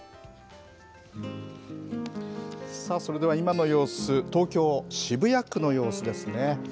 それでは今の様子、東京・渋谷区の様子ですね。